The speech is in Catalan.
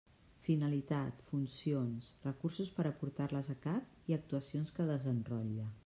Finalitat, funcions, recursos per a portar-les a cap i actuacions que desenrotlla.